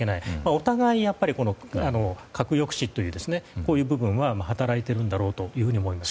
お互い、核抑止という部分は働いているんだろうと思います。